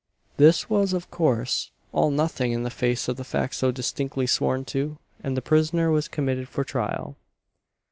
This was of course all nothing in the face of the fact so distinctly sworn to, and the prisoner was committed for trial.